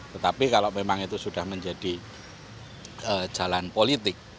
tetapi kalau memang itu sudah menjadi jalan politik